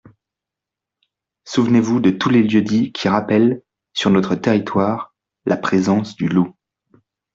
Souvenez-vous de tous les lieux-dits qui rappellent, sur notre territoire, la présence du loup.